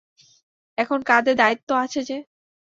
এখন কাঁধে দায়িত্ব আছে যে।